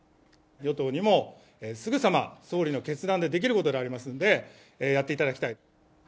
与党にも、すぐさま総理の決断でできることでありますんで、やっていただきたい。